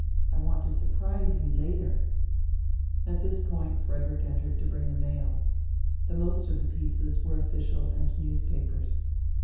I want to surprise you later." At this point Frederick entered to bring die mail. The most of the pieces were official and newspapers.